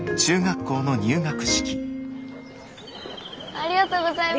ありがとうございます。